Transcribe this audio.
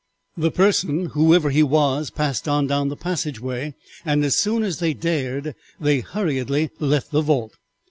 The person, whoever he was, passed on down the passageway, and as soon as they dared they hurriedly left the vault.